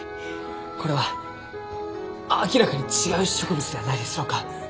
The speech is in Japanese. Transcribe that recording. これは明らかに違う植物ではないですろうか？